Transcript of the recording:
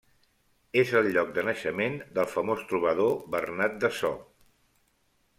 És el lloc de naixement del famós trobador Bernat de So.